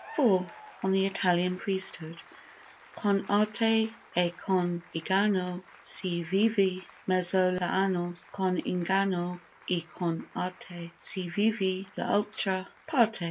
iv—On the Italian Priesthood (Con arte e con inganno, si vive mezzo l'anno; Con inganno e con arte, si vive l'altra parte.)